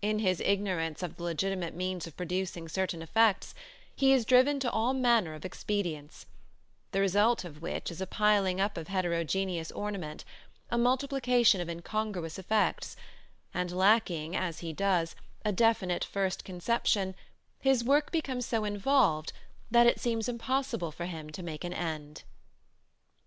In his ignorance of the legitimate means of producing certain effects, he is driven to all manner of expedients, the result of which is a piling up of heterogeneous ornament, a multiplication of incongruous effects; and lacking, as he does, a definite first conception, his work becomes so involved that it seems impossible for him to make an end.